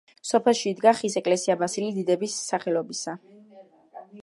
სოფელში იდგა ხის ეკლესია ბასილი დიდის სახელობისა.